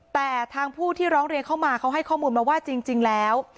แต่ทางผู้ที่ร้องเรียนเข้ามาเขาให้ข้อมูลมาว่าจริงแล้ว